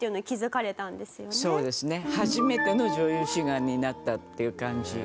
初めての女優志願になったっていう感じ。